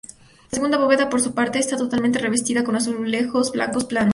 La segunda bóveda, por su parte, está totalmente revestida con azulejos blancos planos.